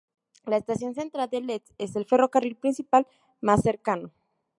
La estación central de Leeds es el ferrocarril principal más cercano.